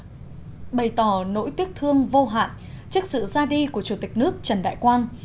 bày tỏ nỗi tiếc thương vô hạn trước sự ra đi của chủ tịch nước trần đại quang